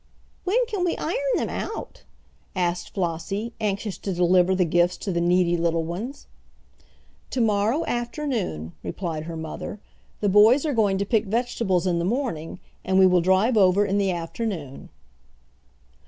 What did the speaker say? "When can we iron them out?" asked Flossie, anxious to deliver the gifts to the needy little ones. "To morrow afternoon," replied her mother. "The boys are going to pick vegetables in the morning, and we will drive over in the afternoon."